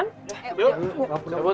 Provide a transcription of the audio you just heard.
jangan kebawah ya bos